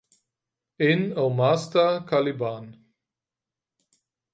In "O Master Caliban!